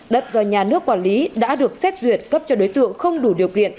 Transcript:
đất do nhà nước quản lý đã được xét duyệt cấp cho đối tượng không đủ điều kiện